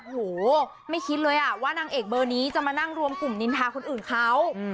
โหไม่คิดเลยว่านางเอกเบอร์นี้จะมานั่งรวมกลุ่มนินทาคนอื่นเขา